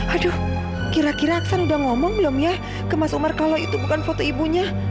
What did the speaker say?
aduh kira kira aksan udah ngomong belum ya ke mas umar kalau itu bukan foto ibunya